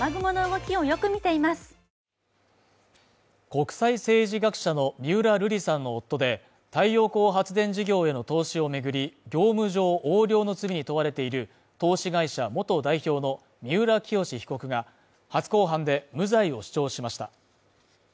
国際政治学者の三浦瑠麗さんの夫で、太陽光発電事業への投資を巡り、業務上横領の罪に問われている投資会社元代表の三浦清志被告が初公判で無罪を主張しました。